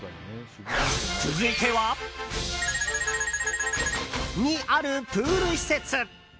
続いてはにあるプール施設。